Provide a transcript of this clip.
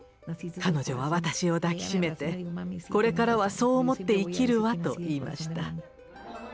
彼女は私を抱き締めて「これからはそう思って生きるわ」と言いました。